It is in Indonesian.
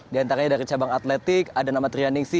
di antaranya dari cabang atletik ada nama trianing si